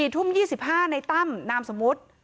๔ทุ่ม๒๕ในตั้มนามสมมุติ